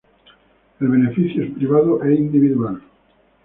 El beneficio es privado e individual.